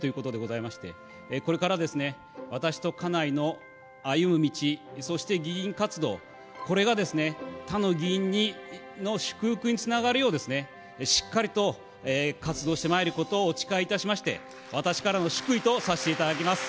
祝福を分け与えなさいということでございまして、これからですね、私と家内の歩む道、そして議員活動、これがですね、他の議員の祝福につながるよう、しっかりと活動してまいることをお誓い申し上げまして、私からの祝意とさせていただきます。